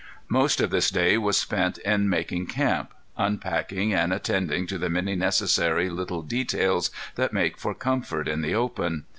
Most of this day was spent in making camp, unpacking, and attending to the many necessary little details that make for comfort in the open.